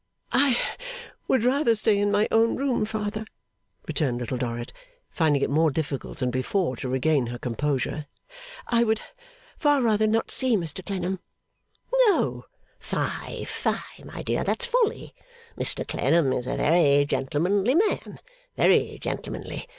'I would rather stay in my own room, Father,' returned Little Dorrit, finding it more difficult than before to regain her composure. 'I would far rather not see Mr Clennam.' 'Oh, fie, fie, my dear, that's folly. Mr Clennam is a very gentlemanly man very gentlemanly.